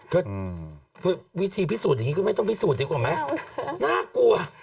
ก็วิธีพิสูจน์อย่างนี้ก็ไม่ต้องพิสูจน์ดีกว่าไหมน่ากลัว